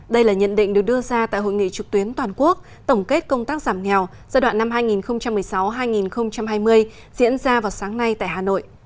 đây là nhận định được đưa ra tại hội nghị trực tuyến toàn quốc tổng kết công tác giảm nghèo giai đoạn năm hai nghìn một mươi sáu hai nghìn hai mươi diễn ra vào sáng nay tại hà nội